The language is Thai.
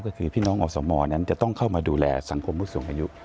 ก็คือพี่น้องอสมนั้นจะต้องเข้ามาดูแลสังคมผู้สูงอายุ